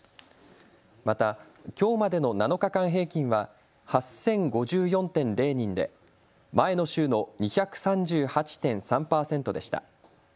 また、きょうまでの７日間平均は８０５４．０人で前の週の２３８．３％でした。